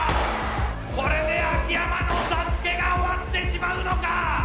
これで秋山のＳＡＳＵＫＥが終わってしまうのか！